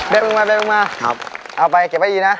เด็กลงมาเอาไปเก็บไว้อีกนะ